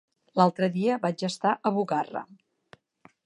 L'altre dia vaig estar a Bugarra.